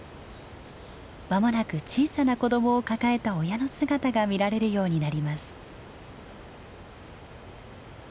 間もなく小さな子どもを抱えた親の姿が見られるようになります。